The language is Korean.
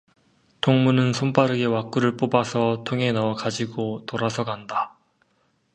동무는 손빠르게 와꾸를 뽑아서 통에 넣어 가지고 돌아서 간다.